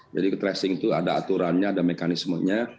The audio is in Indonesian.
jadi tracing itu ada aturannya ada mekanismenya